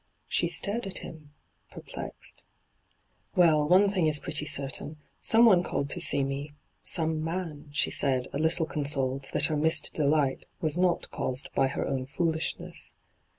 She stared at him, perplexed. ' WeU, one thing is pretty certain : some one called to see me — some man,' she said, a little consoled that her missed delight was not caused by her own foolishness.